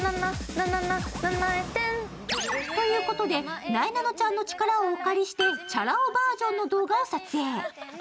ということで、なえなのちゃんの力をお借りしてチャラ男バージョンの動画を撮影。